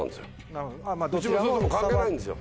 それでも関係ないんですよ。